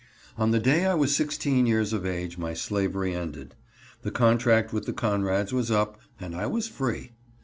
On the day I was sixteen years of age my slavery ended. The contract with the Conrads was up and I was free.